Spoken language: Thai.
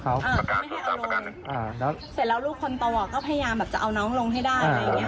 คลไวร์หลูปคนตัวก็จะเอารอยลงกาวได้